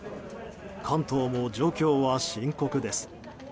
関東も状況は深刻です。